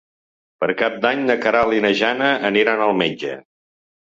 Per Cap d'Any na Queralt i na Jana aniran al metge.